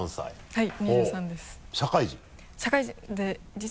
はい。